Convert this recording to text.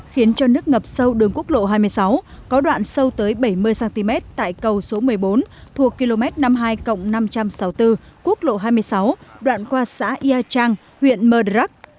khiến cho nước ngập sâu đường quốc lộ hai mươi sáu có đoạn sâu tới bảy mươi cm tại cầu số một mươi bốn thuộc km năm mươi hai năm trăm sáu mươi bốn quốc lộ hai mươi sáu đoạn qua xã ia trang huyện mơ đrắc